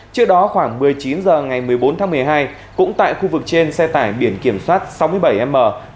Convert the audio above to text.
trước đó khoảng một mươi chín h ngày một mươi bốn tháng một mươi hai cũng tại khu vực trên xe tải biển kiểm soát sáu mươi bảy m một nghìn sáu trăm năm mươi tám